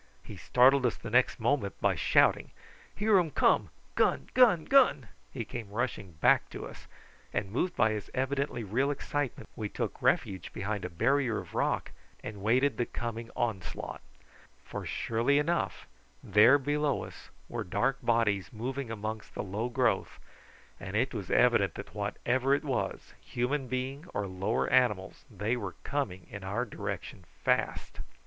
He startled us the next moment by shouting: "Here um come! Gun, gun, gun!" He came rushing back to us, and, moved by his evidently real excitement, we took refuge behind a barrier of rock and waited the coming onslaught, for surely enough there below us were dark bodies moving amongst the low growth, and it was evident that whatever it was, human being or lower animals, they were coming in our direction fast.